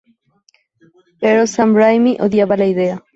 Pero Sam Raimi odiaba la idea.